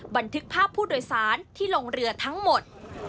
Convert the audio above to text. บันทึกภาพผู้โดยสารที่ลงเรือทั้งหมด